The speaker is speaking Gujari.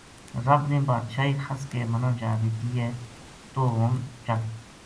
رب نے بادشاہی خس کے منا چا دتی ہے توہ ہن چل